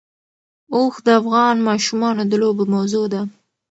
اوښ د افغان ماشومانو د لوبو موضوع ده.